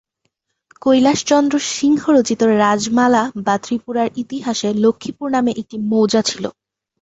কৈলাশ চন্দ্র সিংহ রচিত ‘রাজমালা বা ত্রিপুরা’র ইতিহাসে ‘লক্ষ্মীপুর’ নামে একটি মৌজা ছিল।